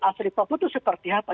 asli papua itu seperti apa